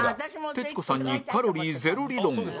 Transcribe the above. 徹子さんにカロリーゼロ理論を